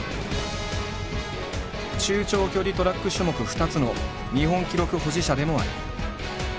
中長距離トラック種目２つの日本記録保持者でもある。